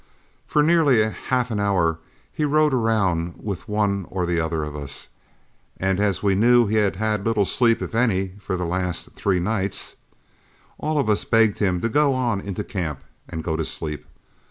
For nearly half an hour he rode around with one or the other of us, and as we knew he had had little if any sleep for the last three nights, all of us begged him to go on into camp and go to sleep.